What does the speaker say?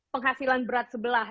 penghasilan berat sebelah